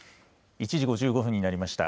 １時５５分になりました。